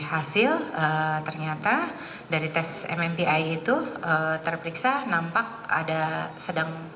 hasil ternyata dari tes mmpi itu terperiksa nampak ada sedang